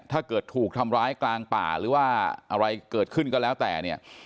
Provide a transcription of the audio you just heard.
ถ้าเกิดถูกทำร้ายกลางป่าหรือว่าอะไรเกิดขึ้นก็แล้วแต่เนี่ย